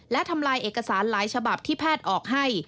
และทำลายเอกสารหลายฉบับที่แพทย์ออกให้